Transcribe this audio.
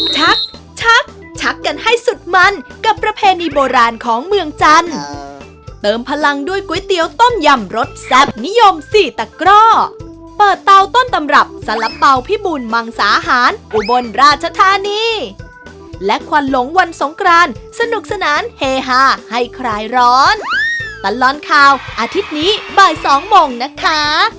ชักชักชักกันให้สุดมันกับประเพณีโบราณของเมืองจันทร์เติมพลังด้วยก๋วยเตี๋ยวต้มยำรสแซ่บนิยมสี่ตะกร่อเปิดเตาต้นตำรับสาระเป๋าพิบูลมังสาหารอุบลราชธานีและควันหลงวันสงกรานสนุกสนานเฮฮาให้คลายร้อนตลอดข่าวอาทิตย์นี้บ่ายสองโมงนะคะ